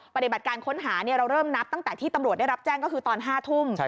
ปฏิบัติการค้นหาเราเริ่มนับตั้งแต่ที่ตำรวจได้รับแจ้งก็คือตอน๕ทุ่ม